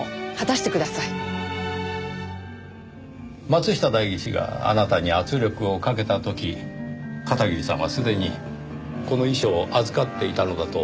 松下代議士があなたに圧力をかけた時片桐さんはすでにこの遺書を預かっていたのだと思います。